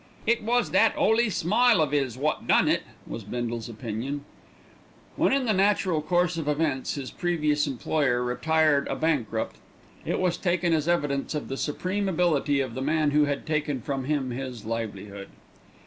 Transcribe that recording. "It was that 'oly smile of 'is wot done it," was Bindle's opinion. When in the natural course of events his previous employer retired a bankrupt, it was taken as evidence of the supreme ability of the man who had taken from him his livelihood.